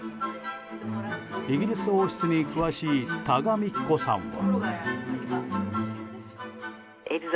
イギリス王室に詳しい多賀幹子さんは。